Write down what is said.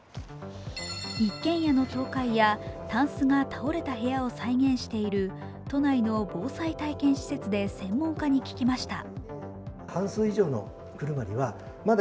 一軒家の倒壊やタンスが倒れた部屋などを再現している都内の防災体験施設で専門家に聞きました。